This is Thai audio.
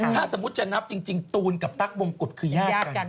ถ้าสมมุติจะนับจริงตูนกับตั๊กบงกุฎคือญาติกัน